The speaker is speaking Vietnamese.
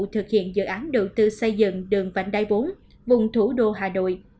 thực hiện dự án đầu tư xây dựng đường vành đai bốn vùng thủ đô hà nội